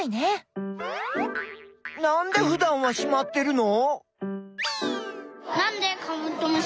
なんでふだんはしまってるの？